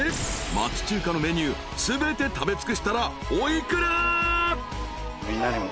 町中華のメニュー全て食べ尽くしたらお幾ら？］